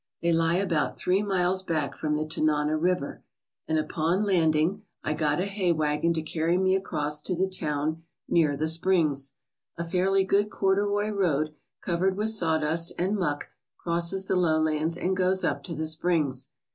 They lie about three miles back from the Tanana River, and upon landing I got a hay wagon 133 ALASKA OUR NORTHERN WONDERLAND to carry me across to the town near the springs. A fairly good corduroy road covered with sawdust and muck crosses the lowlands and goes up to the springs.